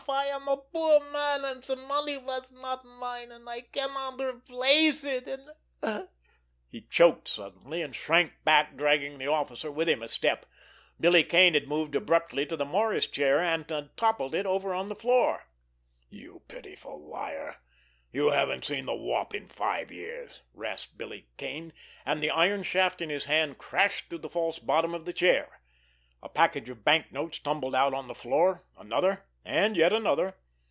I am a poor man, and the money was not mine, and I cannot replace it, and——" He choked suddenly, and shrank back, dragging the officer with him a step. Billy Kane had moved abruptly to the morris chair, and had toppled it over on the floor. "You pitiful liar! You haven't seen the Wop in five years!" rasped Billy Kane, and the iron shaft in his hand crashed through the false bottom of the chair. A package of banknotes tumbled out on the floor, another, and yet another.